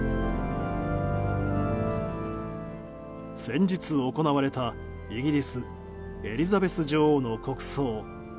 先日行われたイギリスエリザベス女王の国葬。